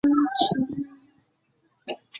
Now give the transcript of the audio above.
华中铁道期间车站加设第二条侧线。